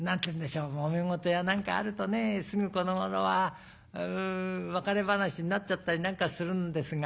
もめ事や何かあるとねすぐこのごろは別れ話になっちゃったり何かするんですが。